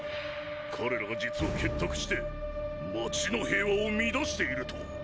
彼らが実は結託して街の平和を乱していると！